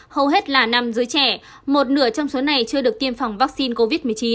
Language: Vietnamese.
hầu hết là nam giới trẻ một nửa trong số này chưa được tiêm phòng vaccine covid một mươi chín